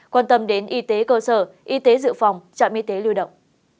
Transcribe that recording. quan tâm đến y tế cơ sở y tế dự phòng trạm y tế lưu động